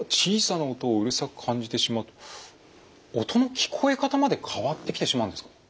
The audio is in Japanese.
音の聞こえ方まで変わってきてしまうんですね。